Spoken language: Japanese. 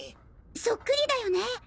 そっくりだよね！